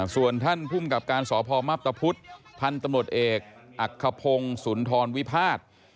ส่วนท่านภูมิกับการสพมับตะพุทธพันธุ์ตำรวจเอกอักขพงศ์สุนทรวิพาท